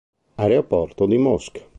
Aeroporto di Mosca